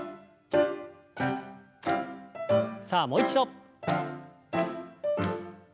さあもう一度。